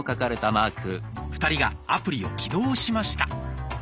２人がアプリを起動しました。